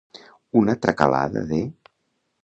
Una tracalada de.